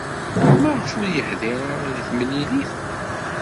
Maɣef ur yeḥdiṛ ara deg temlilit?